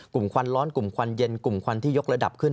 ควันร้อนกลุ่มควันเย็นกลุ่มควันที่ยกระดับขึ้น